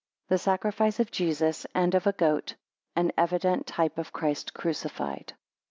The sacrifice of Jesus, and of a goat, an evident type of Christ crucified.